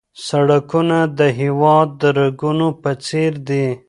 سړکونه د هېواد د رګونو په څېر دي.